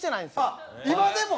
あっ今でも？